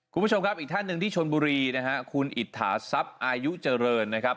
คุณผู้ชมครับอีกท่านหนึ่งที่ชนบุรีนะฮะคุณอิตถาทรัพย์อายุเจริญนะครับ